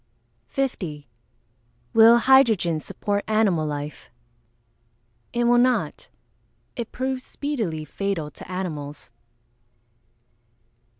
50. Will hydrogen support animal life? It will not. It proves speedily fatal to animals.